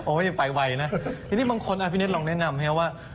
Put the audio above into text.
โอ้ยไปไวนะทีนี้บางคนพี่เน็ตลองแนะนำนะว่า